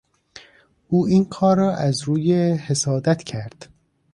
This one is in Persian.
او این کار را از روی حسادت کرد.